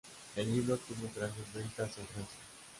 El libro tuvo grandes ventas en Francia.